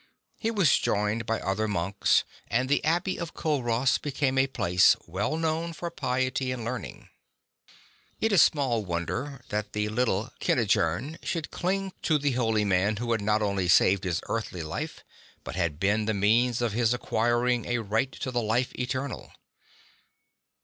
He was joined by other monks, and the Abbey of Culross became a place well known for piety and learning. It is small wonder that little Kentigern should cling to the holy man who had not only saved his earthly life, but had been the means of his acquiring a right to the life eternal.